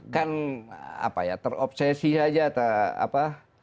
kan apa ya terobsesi saja atau apa